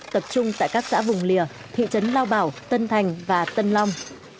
tập trung tại các xã vùng lìa thị trấn lao bảo tân thành và tân long